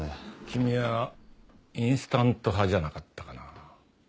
君はインスタント派じゃなかったかな？